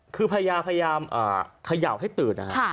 คือพระยาพยายามขย่าวให้ตื่น